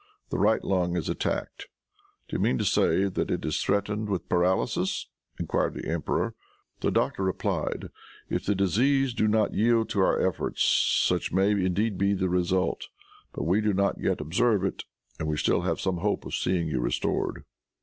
The right lung is attacked." "Do you mean to say that it is threatened with paralysis?" enquired the emperor. The doctor replied, "If the disease do not yield to our efforts, such may indeed be the result; but we do not yet observe it, and we still have some hope of seeing you restored."